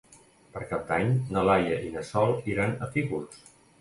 Per Cap d'Any na Laia i na Sol iran a Fígols.